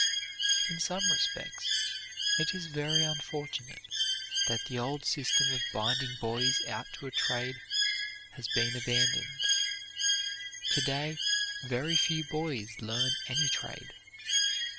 In some respects it is very unfortunate that the old system of binding boys out to a trade has been abandoned. To day very few boys learn any trade.